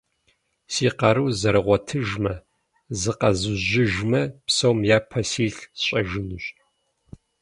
Си къару зэрыгъуэтыжмэ, зыкъэзужьыжмэ, псом япэ силъ сщӀэжынущ.